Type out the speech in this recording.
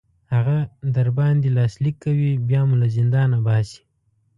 هغه در باندې لاسلیک کوي بیا مو له زندان باسي.